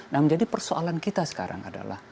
nah menjadi persoalan kita sekarang adalah